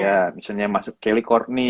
ya misalnya masuk ke kelly courtney